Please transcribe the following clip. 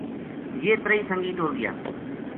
یہ تریہی سنگی ٹر گیا